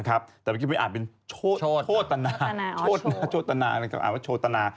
แต่เมื่อกี้มันอ่านเป็นโชตนา